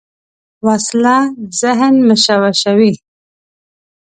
وسله ذهن مشوشوي